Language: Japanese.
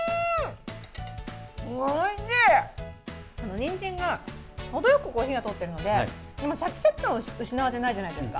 にんじんが程よく火が通っているのでシャキシャキ感は失われていないじゃないですか。